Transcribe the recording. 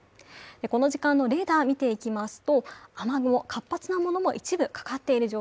この時間のレーダー見ていきますと雨雲、活発な雨雲が一部かかっています。